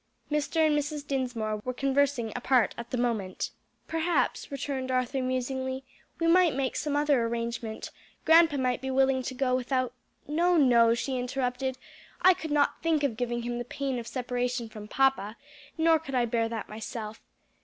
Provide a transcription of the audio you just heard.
'" Mr. and Mrs. Dinsmore were conversing apart at the moment. "Perhaps," returned Arthur musingly, "we might make some other arrangement; grandpa might be willing to go without " "No, no," she interrupted, "I could not think of giving him the pain of separation from papa, nor could I bear that myself.